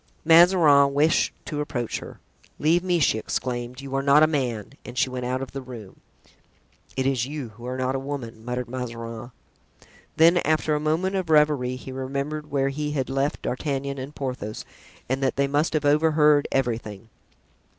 Mazarin wished to approach her. "Leave me!" she exclaimed; "you are not a man!" and she went out of the room. "It is you who are not a woman," muttered Mazarin. Then, after a moment of reverie, he remembered where he had left D'Artagnan and Porthos and that they must have overheard everything.